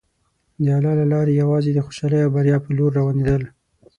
د الله له لارې یوازې د خوشحالۍ او بریا په لور روانېدل.